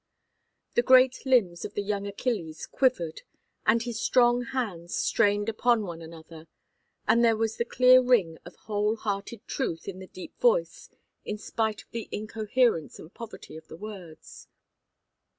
The great limbs of the young Achilles quivered, and his strong hands strained upon one another, and there was the clear ring of whole hearted truth in the deep voice, in spite of the incoherence and poverty of the words.